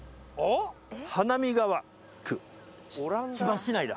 花見川区千葉市内だ。